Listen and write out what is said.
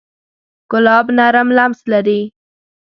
ګلاب نرم لمس لري.